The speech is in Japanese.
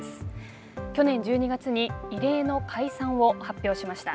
去年１２月に異例の解散を発表しました。